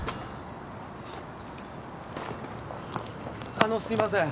あのすいません。